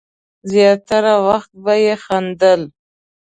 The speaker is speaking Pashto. زیاتره وخت به یې خندل.